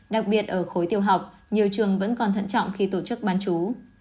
đặc biệt ở khối tiêu học nhiều trường vẫn còn thận trọng khi tổ chức bán chú